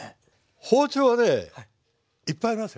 包丁はねいっぱいありますよ。